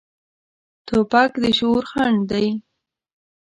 توپک د شعور خنډ دی.